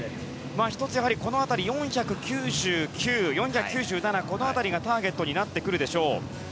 １つ、この辺り４９９、４９７のこの辺りがターゲットになってくるでしょう。